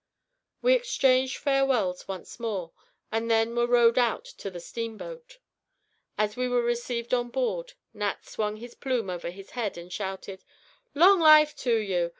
We exchanged farewells once more, and then were rowed out to the steamboat. As we were received on board, Nat swung his plume over his head, and shouted: "Long life to you!